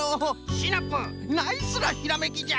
シナプーナイスなひらめきじゃ。